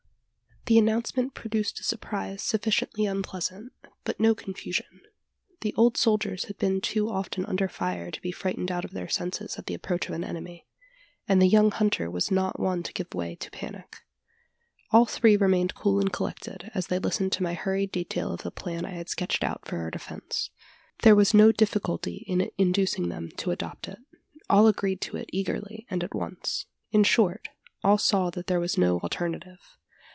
The announcement produced a surprise sufficiently unpleasant, but no confusion. The old soldiers had been too often under fire to be frightened out of their senses at the approach of an enemy; and the young hunter was not one to give way to a panic. All three remained cool and collected, as they listened to my hurried detail of the plan I had sketched out for our defence. There was no difficulty in inducing them to adopt it. All agreed to it eagerly and at once: in short, all saw that there was no alternative.